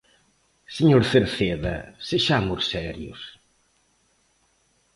Señor Cerceda, sexamos serios.